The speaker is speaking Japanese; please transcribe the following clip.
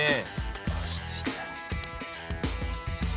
よしついた。